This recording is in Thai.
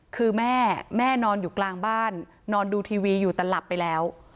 คือแม่แม่นอนอยู่กลางบ้านนอนดูทีวีอยู่แต่หลับไปแล้ว